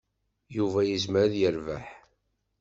Yuba yezmer ad yerbeḥ.